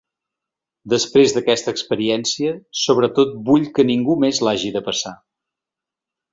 Després d’aquesta experiència, sobretot vull que ningú més l’hagi de passar.